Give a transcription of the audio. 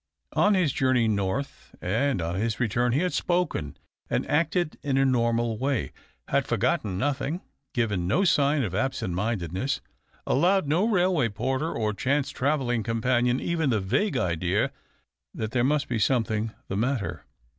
On his journey north and on his return he had spoken and acted in a normal way, had forgotten nothing, given no sim of absent mindedness, allowed no rail way porter or chance travelling companion even the vague idea that there must be "some thing the matter."